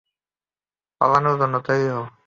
পালানোর জন্য তৈরি হও।